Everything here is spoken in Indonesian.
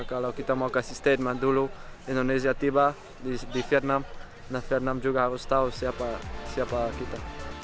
kalau kita mau kasih statement dulu indonesia tiba di vietnam vietnam juga harus tahu siapa kita